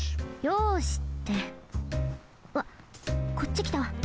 「よし」ってわっこっちきた。